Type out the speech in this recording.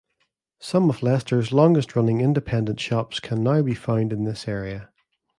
Some of Leicester's longest running independent shops can now be found in this area.